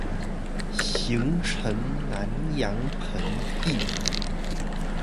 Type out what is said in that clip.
形成南陽盆地